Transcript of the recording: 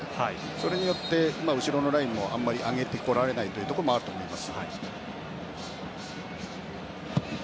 それによって後ろのラインをあまり上げてこられないというところもあると思います。